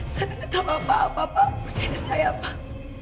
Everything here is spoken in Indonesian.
saya tidak tahu apa apa perjalanan saya pak